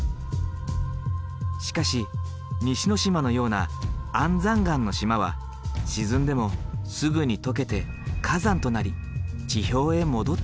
しかし西之島のような安山岩の島は沈んでもすぐに溶けて火山となり地表へ戻ってくる。